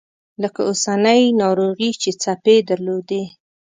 لکه اوسنۍ ناروغي چې څپې درلودې.